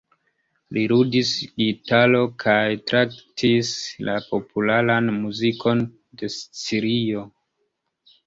Li ludis gitaron kaj traktis la popularan muzikon de Sicilio.